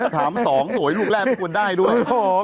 ถามต่อออกให้ลูกแรกไม่ควรได้ด้วย